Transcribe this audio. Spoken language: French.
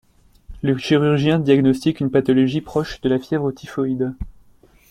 Le chirurgien diagnostique une pathologie proche de la fièvre typhoïde.